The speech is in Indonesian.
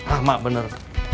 ah mak bener